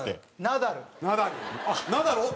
ナダル。